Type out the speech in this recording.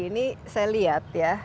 lagi sibuk sekali ya banyak